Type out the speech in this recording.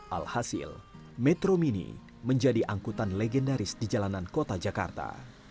alhasil metro mini menjadi angkutan legendaris di jalanan kota jakarta